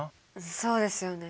そうですよね。